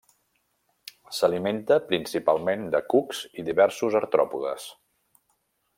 S'alimenta principalment de cucs i diversos artròpodes.